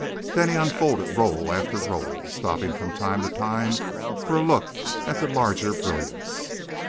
Then he unfolded roll after roll, stopping from time to time for a look at the larger brilliants.